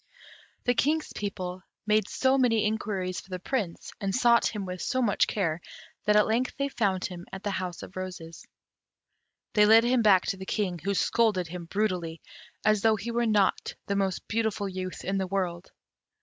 The King's people made so many inquiries for the Prince, and sought him with so much care, that at length they found him at the House of Roses. They led him back to the King, who scolded him brutally, as though he were not the most beautiful youth in the world.